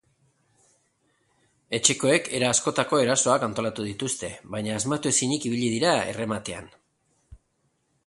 Etxekoek era askotako erasoak antolatu dituzte, baina asmatu ezinik ibili dira errematean.